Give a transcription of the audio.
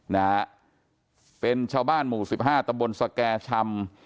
นะฮะเป็นชาวบ้านหมู่สิบห้าตำบลสแก่ชำ